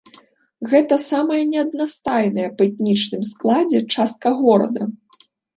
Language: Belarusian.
Гэта самая неаднастайная па этнічным складзе частка горада.